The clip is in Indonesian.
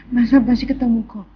masa pasti ketemu kok